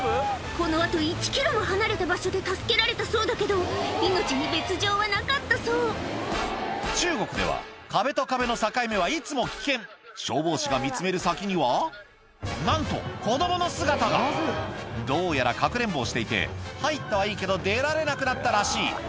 この後１ｋｍも離れた場所で助けられたそうだけど命に別条はなかったそう中国では壁と壁の境目はいつも危険消防士が見つめる先にはなんと子どもの姿がどうやらかくれんぼをしていて入ったはいいけど出られなくなったらしい